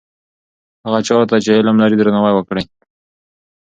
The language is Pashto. هغه چا ته چې علم لري درناوی وکړئ.